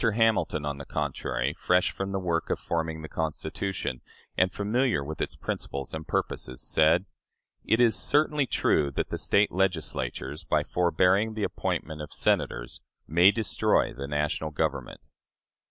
Hamilton, on the contrary, fresh from the work of forming the Constitution, and familiar with its principles and purposes, said: "It is certainly true that the State Legislatures, by forbearing the appointment of Senators, may destroy the national Government."